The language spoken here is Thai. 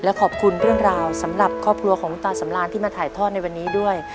ขอบคุณเรื่องราวสำหรับครอบครัวของคุณตาสำรานที่มาถ่ายทอดในวันนี้ด้วย